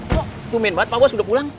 kok kumin banget pak bos udah pulang